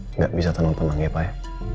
tidak bisa tenang tenang ya pak ya